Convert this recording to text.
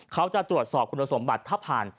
เขาจะตรวจสอบคุณสมบัติถ้าผ่าน